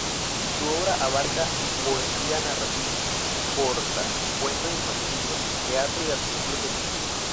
Su obra abarca poesía, narrativa corta, cuentos infantiles, teatro y artículos de opinión.